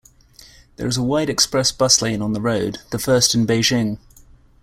There is a wide express bus lane on the road, the first in Beijing.